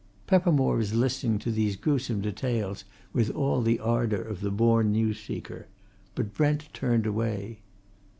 Peppermore was listening to these gruesome details with all the ardour of the born news seeker. But Brent turned away.